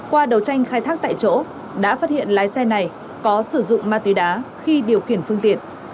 qua đầu tranh khai thác tại chỗ đã phát hiện lái xe này có sử dụng ma túy đá khi điều khiển phương tiện